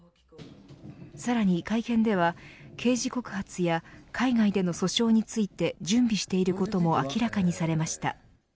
さらに会見では、刑事告発や海外での訴訟について準備していることも明らかにされました。